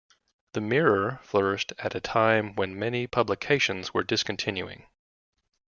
The "Mirror" flourished at a time when many publications were discontinuing.